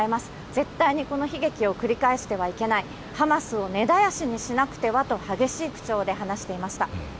絶対にこの悲劇を繰り返してはいけない、ハマスを根絶やしにしなくてはと激しい口調で話していました。